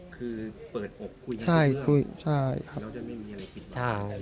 คือเปิดอกคุยกันเพิ่มแล้วจะไม่มีอะไรปิดบัง